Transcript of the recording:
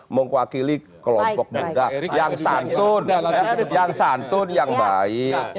mengwakili kelompok muda yang santun yang baik